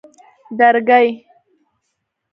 درگۍ